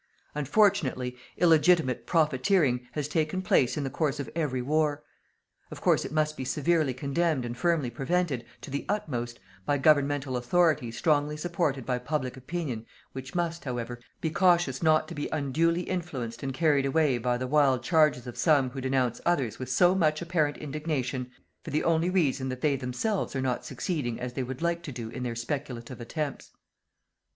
Unfortunately, illegitimate "profiteering" has taken place in the course of every war. Of course it must be severely condemned and firmly prevented, to the utmost, by governmental authority strongly supported by public opinion which must, however, be cautious not to be unduly influenced and carried away by the wild charges of some who denounce others with so much apparent indignation for the only reason that they themselves are not succeeding as they would like to do in their speculative attempts.